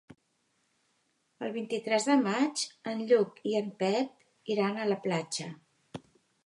El vint-i-tres de maig en Lluc i en Pep iran a la platja.